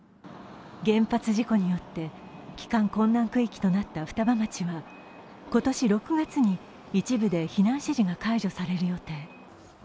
原発事故によって帰還困難区域となった双葉町の今年６月に一部で避難指示が解除される予定。